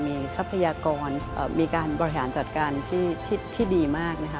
มีทรัพยากรมีการบริหารจัดการที่ดีมากนะคะ